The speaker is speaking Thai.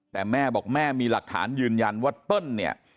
แต่แม่บอกแม่มีหลักฐานยืนยันว่าเติ้ลเนี่ย